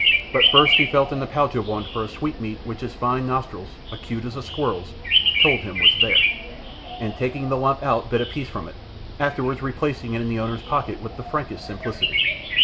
But first he felt in the pouch of one for a sweetmeat which his fine nostrils, acute as a squirrel's, told him was there, and taking the lump out bit a piece from it, afterwards replacing it in the owner's pocket with the frankest simplicity.